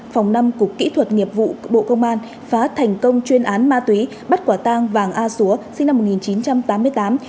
phòng năm cục kỹ thuật nghiệp vụ bộ công an phá thành công chuyên án ma túy bắt quả tang vàng a xúa sinh năm một nghìn chín trăm tám mươi tám